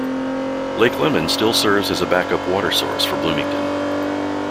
Lake Lemon still serves as a back-up water source for Bloomington.